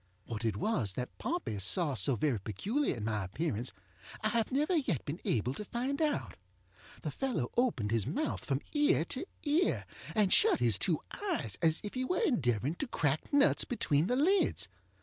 What it was that Pompey saw so very peculiar in my appearance I have never yet been able to find out. The fellow opened his mouth from ear to ear, and shut his two eyes as if he were endeavoring to crack nuts between the lids.